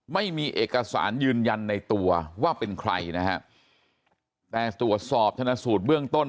ไม่มีเอกสารยืนยันในตัวว่าเป็นใครนะฮะแต่ตรวจสอบชนะสูตรเบื้องต้น